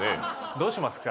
どうしますか？